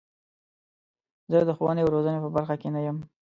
زه د ښوونې او روزنې په برخه کې نه یم.